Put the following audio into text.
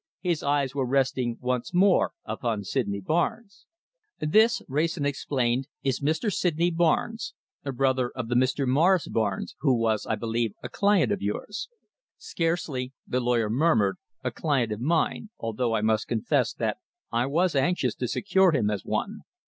His eyes were resting once more upon Sydney Barnes. "This," Wrayson explained, "is Mr. Sydney Barnes, a brother of the Mr. Morris Barnes, who was, I believe, a client of yours." "Scarcely," the lawyer murmured, "a client of mine, although I must confess that I was anxious to secure him as one.